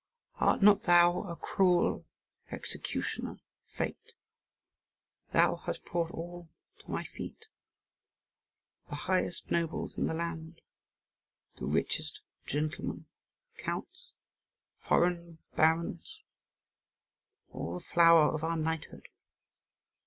Art not thou a cruel executioner, fate? Thou has brought all to my feet the highest nobles in the land, the richest gentlemen, counts, foreign barons, all the flower of our knighthood.